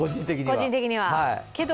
個人的には。